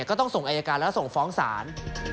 ก็ต้องส่งอายการแล้วส่งฟ้องศาล